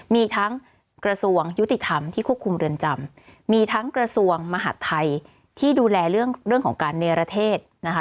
มีทั้งกระทรวงยุติธรรมที่ควบคุมเรือนจำมีทั้งกระทรวงมหาดไทยที่ดูแลเรื่องของการเนรเทศนะคะ